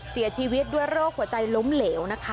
เสียชีวิตด้วยโรคหัวใจล้มเหลวนะคะ